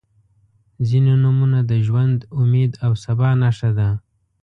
• ځینې نومونه د ژوند، امید او سبا نښه ده.